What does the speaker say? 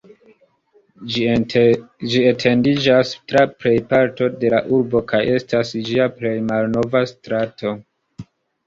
Ĝi etendiĝas tra plejparto de la urbo kaj estas ĝia plej malnova strato.